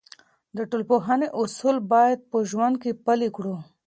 د ټولنپوهنې اصول باید په ژوند کې پلي کړو.